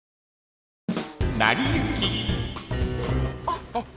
あっ。